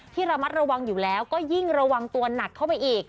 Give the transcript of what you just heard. ที่ระมัดระวังอยู่แล้วก็ยิ่งระวังตัวหนักเข้าไปอีก